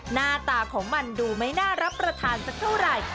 หน้าตาของมันดูไม่น่ารับประทานสักเท่าไหร่